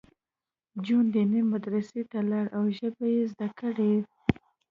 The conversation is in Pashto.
جون دیني مدرسې ته لاړ او ژبې یې زده کړې